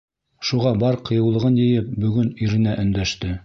Шуға бар ҡыйыулығын йыйып бөгөн иренә өндәште.